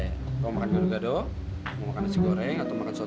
kamu mau makan garu gado mau makan nasi goreng atau mau makan soto